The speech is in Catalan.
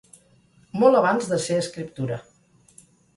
Molt abans de ser escriptura.